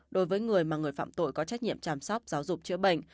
đối với người mà người phạm tội có trách nhiệm chăm sóc giáo dục chữa bệnh